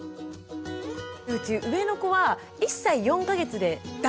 うち上の子は１歳４か月で断乳したんですね。